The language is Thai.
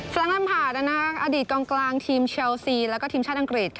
แฟลงลัมพาอดีตกลางทีมเชลซีและก็ทีมชาติอังกฤษ